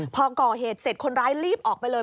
พอก่อเหตุเสร็จคนร้ายรีบออกไปเลย